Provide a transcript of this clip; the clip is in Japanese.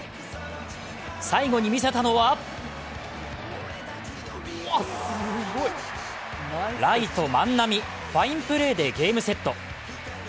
最後に見せたのはライト・万波、ファインプレーでゲームセット。